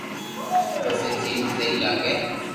پسو جيم سھي لاگي